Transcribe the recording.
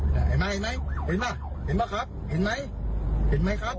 เห็นไหมเห็นไหมเห็นไหมครับเห็นไหมเห็นไหมครับ